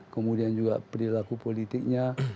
kemudian juga perilaku politiknya